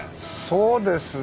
そうですね。